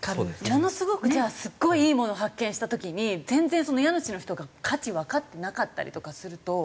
ものすごくじゃあすごいいいもの発見した時に全然その家主の人が価値わかってなかったりとかすると。